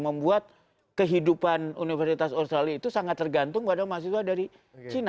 membuat kehidupan universitas australia itu sangat tergantung pada mahasiswa dari cina